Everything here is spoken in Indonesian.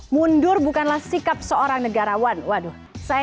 mundur bukanlah sikap seorang negarawan waduh saya catat benar percaya